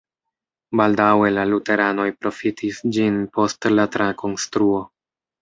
Baldaŭe la luteranoj profitis ĝin post la trakonstruo.